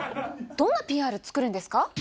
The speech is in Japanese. どんなＰＲ作るんですか？